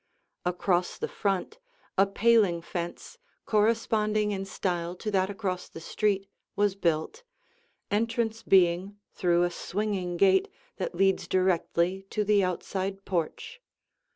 Across the front a paling fence corresponding in style to that across the street was built, entrance being through a swinging gate that leads directly to the outside porch.